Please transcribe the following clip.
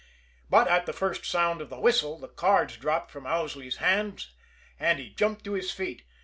But at the first sound of the whistle, the cards dropped from Owsley's hands, and he jumped to his feet.